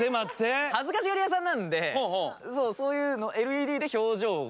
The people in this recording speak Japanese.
恥ずかしがりやさんなんでそういうのＬＥＤで表情を。